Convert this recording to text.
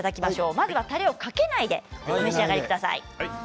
まずはたれをかけないでお召し上がりください。